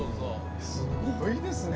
すごいですね！